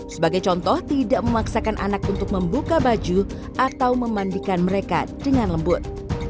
sebagai contoh tidak memaksakan anak untuk membuka baju atau memandikan mereka dengan lembut